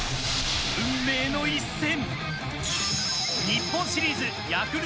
運命の一戦。